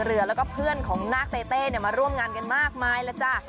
เรือแล้วก็เพื่อนของนาคเต้มาร่วมงานกันมากมายแล้วจ้ะ